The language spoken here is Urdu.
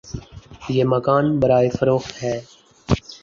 یہ مکان برائے فروخت ہے